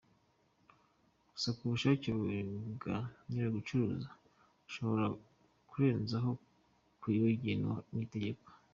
Gusa ku bushake bwa nyiri ugucuruza, ashobora kurenzaho ku yagenwe n’itegeko.